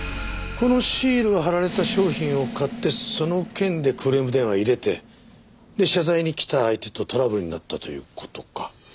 このシールが貼られてた商品を買ってその件でクレーム電話を入れてで謝罪に来た相手とトラブルになったという事か。